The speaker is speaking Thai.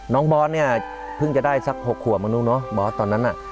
น้องบอสเนี่ยเพิ่งจะได้สัก๖ขัวมนุษย์เนอะบอสตอนนั้นน่ะ